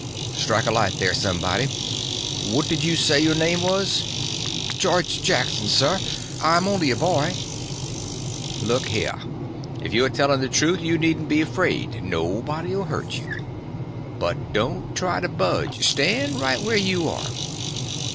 Strike a light there, somebody. What did you say your name was?" "George Jackson, sir. I'm only a boy." "Look here, if you're telling the truth you needn't be afraid—nobody'll hurt you. But don't try to budge; stand right where you are.